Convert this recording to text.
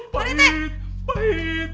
pak rt pak rt pak rt